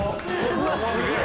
うわすげぇ・